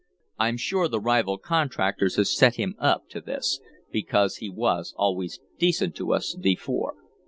I'm sure the rival contractors have set him up to this, because he was always decent to us before.